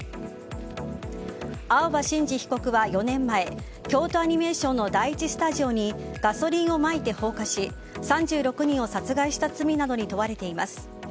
青葉真司被告は４年前京都アニメーションの第１スタジオにガソリンをまいて放火し３６人を殺害した罪などに問われています。